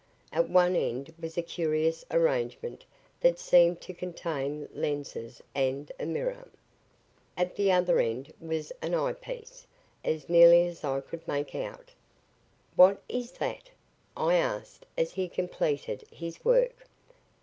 At one end was a curious arrangement that seemed to contain lenses and a mirror. At the other end was an eye piece, as nearly as I could make out. "What is that?" I asked as he completed his work.